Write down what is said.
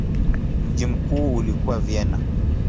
Mji mkuu ulikuwa Vienna.